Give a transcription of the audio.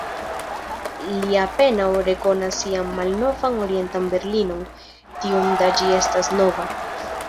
Li apenaŭ rekonas sian malnovan Orientan Berlinon, tiom da ĝi estas nova.